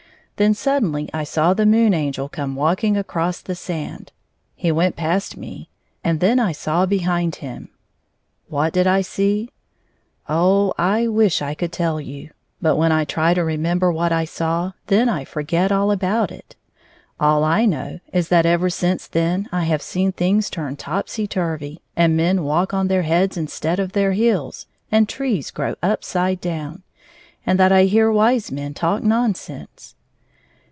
Then suddenly I saw the Moon Angel come walking across the sand. He went past me, and then I saw behind 104 him. What did I see ? Oh, I wish I could tell you. But when I try to remember what I saw, then I forget all about it. All I know is that ever since then I have seen things turned topsy turvy, and men walk on their heads instead of their heels, and trees grow upside down, and that I hear wise men talk nonsense.